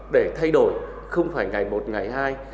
để thay đổi không phải ngày một ngày hai